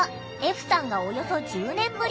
歩さんがおよそ１０年ぶり。